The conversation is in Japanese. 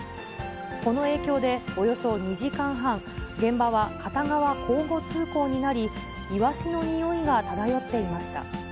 この影響で、およそ２時間半、現場は片側交互通行になり、イワシのにおいが漂っていました。